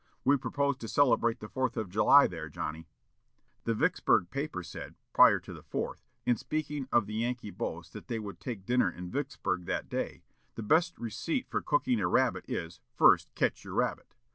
"We propose to celebrate the Fourth of July there, Johnnie." The Vicksburg paper said, prior to the Fourth, in speaking of the Yankee boast that they would take dinner in Vicksburg that day, "The best receipt for cooking a rabbit is, 'First ketch your rabbit!'"